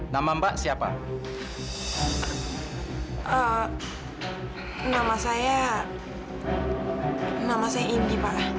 nama saya indi pak